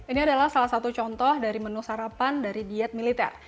ini adalah salah satu contoh dari menu sarapan dari diet militer